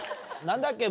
何だっけ？